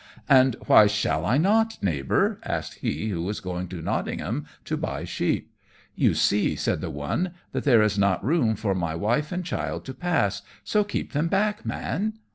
"And why shall I not, Neighbour?" asked he who was going to Nottingham to buy sheep. "You see," said the one, "that there is not room for my wife and child to pass, so keep them back, Man."